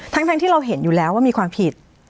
ทั้งที่เราเห็นอยู่แล้วว่ามีความผิด